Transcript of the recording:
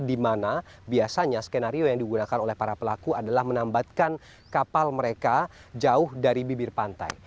di mana biasanya skenario yang digunakan oleh para pelaku adalah menambatkan kapal mereka jauh dari bibir pantai